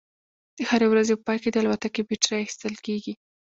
د هرې ورځې په پای کې د الوتکې بیټرۍ ایستل کیږي